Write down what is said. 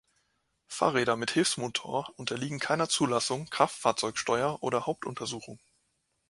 Fahrräder mit Hilfsmotor unterliegen keiner Zulassung, Kraftfahrzeugsteuer oder Hauptuntersuchung.